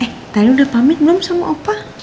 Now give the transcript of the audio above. eh tali udah pamit belum sama opa